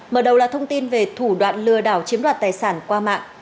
mở đầu là thông tin về thủ đoạn lừa đảo chiếm đoạt tài sản qua mạng